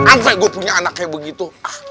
ampe gua punya anak kaya begitu